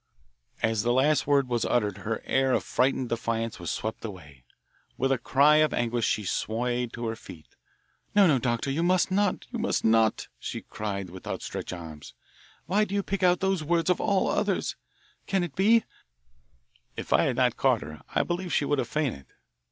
As the last word was uttered her air of frightened defiance was swept away. With a cry of anguish, she swayed to her feet. "No, no, doctor, you must not, you must not," she cried with outstretched arms. "Why do you pick out those words of all others? Can it be " If I had not caught her I believe she would have fainted.